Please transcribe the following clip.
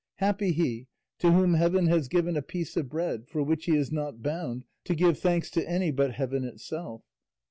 Happy he, to whom heaven has given a piece of bread for which he is not bound to give thanks to any but heaven itself!"